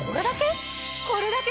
これだけ？